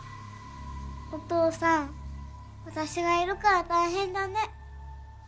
お父さん私がいるから大変だね。